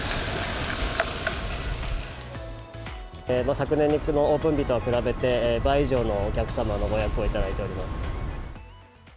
昨年のオープン日と比べて、倍以上のお客様のご予約を頂いております。